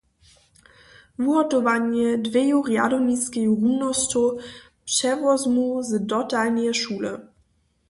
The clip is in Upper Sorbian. Wuhotowanje dweju rjadowniskeju rumnosćow přewozmu z dotalneje šule.